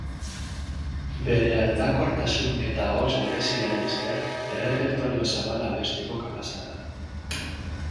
Bere aldakortasun eta ahots bereziari esker, errepertorio zabala abesteko kapaza da.